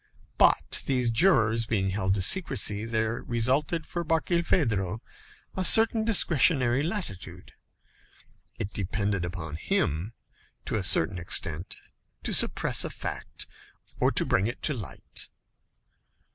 But these jurors being held to secrecy, there resulted for Barkilphedro a certain discretionary latitude; it depended upon him, to a certain extent, to suppress a fact or bring it to light.